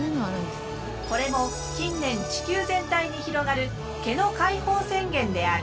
これも近年地球全体に広がる毛の解放宣言である。